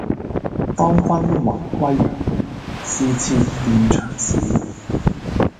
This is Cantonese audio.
當君懷歸日，是妾斷腸時